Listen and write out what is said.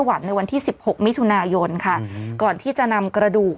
ในวันที่สิบหกมิถุนายนค่ะก่อนที่จะนำกระดูก